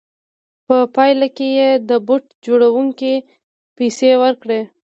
په پایله کې یې د بوټ جوړوونکي پیسې ورکړې